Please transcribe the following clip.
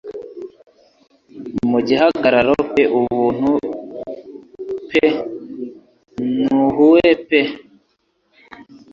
Mu gihagararo pe ubuntu pe na hue pe